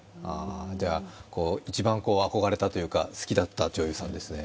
一番憧れたというか、好きだった女優さんですね。